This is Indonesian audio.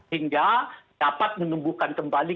hingga dapat menumbuhkan kembali